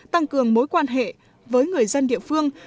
tăng cường mối quan hệ với người dân địa phương